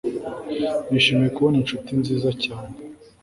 Nishimiye kubona inshuti nziza cyane